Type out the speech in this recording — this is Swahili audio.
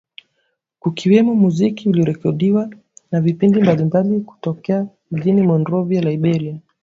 kukiwemo muziki uliorekodiwa na vipindi mbalimbali kutokea mjini Monrovia, Liberia